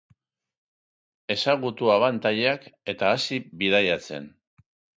Ezagutu abantailak eta hasi bidaiatzen!